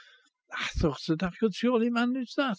I thought I could surely manage that.